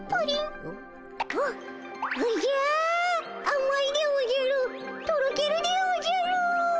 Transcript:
あまいでおじゃるとろけるでおじゃる！